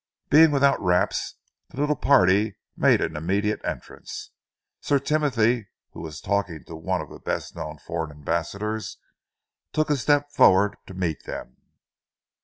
Being without wraps, the little party made an immediate entrance. Sir Timothy, who was talking to one of the best known of the foreign ambassadors, took a step forward to meet them.